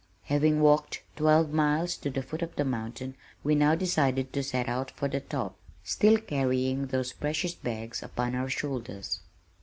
Having walked twelve miles to the foot of the mountain we now decided to set out for the top, still carrying those precious bags upon our shoulders.